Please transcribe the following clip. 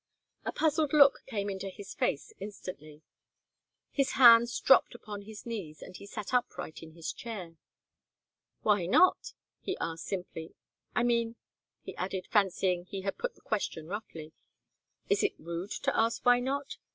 A puzzled look came into his face instantly. His hands dropped upon his knees, and he sat upright in his chair. "Why not?" he asked, simply. "I mean," he added, fancying he had put the question roughly, "is it rude to ask why not?